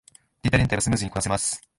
データ連携はスムーズにこなせます